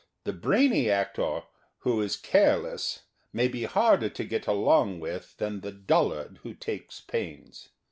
The brainy actor who is care less may be harder to get along with than the dullard who takes pains.